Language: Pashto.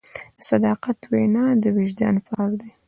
د صداقت وینا د وجدان فخر دی.